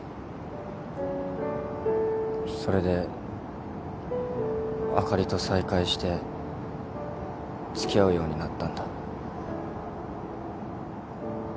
それであかりと再会して付き合うようになったんだ。